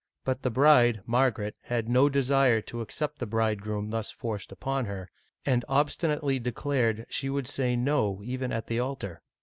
But the bride, Margaret, had no desire to accept the bridegroom thus forced upon her, and obstinately declared she would say " no " even at the altar.